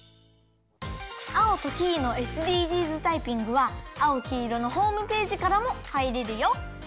「アオとキイのＳＤＧｓタイピング」は「あおきいろ」のホームページからもはいれるよ。